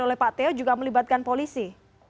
oleh pak teo juga melibatkan polisi